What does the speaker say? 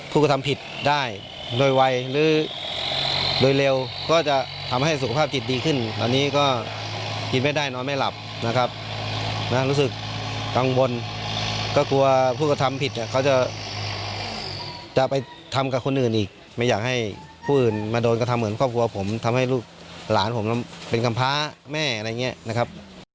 ผมทำให้ลูกหลานผมเป็นคำพ้าแม่อะไรอย่างนี้นะครับ